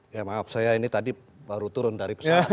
ya maaf saya ini tadi baru turun dari pesawat